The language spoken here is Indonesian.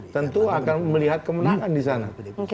tentu akan melihat kemenangan disana